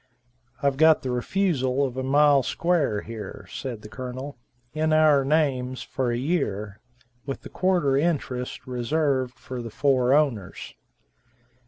"I've got the refusal of a mile square here," said the Colonel, "in our names, for a year, with a quarter interest reserved for the four owners."